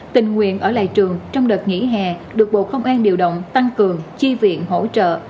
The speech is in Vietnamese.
tình nguyện ở lại trường trong đợt nghỉ hè được bộ công an điều động tăng cường chi viện hỗ trợ